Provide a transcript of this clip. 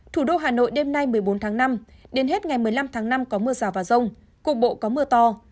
thủ đô hà nội đêm nay một mươi bốn tháng năm đến hết ngày một mươi năm tháng năm có mưa rào và rông cục bộ có mưa to